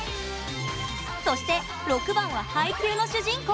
そして６番は「ハイキュー！！」の主人公